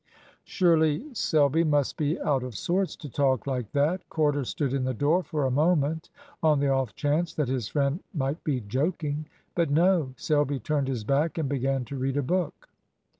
Surely Selby must be out of sorts to talk like that. Corder stood in the door for a moment, on the off chance that his friend might be joking. But no; Selby turned his back and began to read a book.